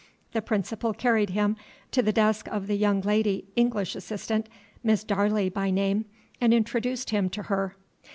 The principal carried him to the desk of the young lady English assistant, Miss Darley by name, and introduced him to her.